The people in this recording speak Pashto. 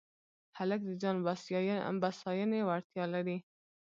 هلک د ځان بساینې وړتیا لري.